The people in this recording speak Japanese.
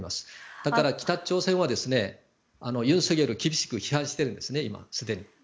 だから北朝鮮はユン・ソクヨル厳しく批判しているんですすでに。